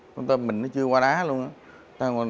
con tôm mình nó chưa qua đá luôn